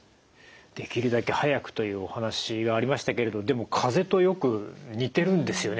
できるだけ早くというお話がありましたけれどでもかぜとよく似てるんですよね。